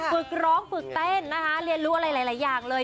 ฝึกร้องฝึกเต้นนะคะเรียนรู้อะไรหลายอย่างเลย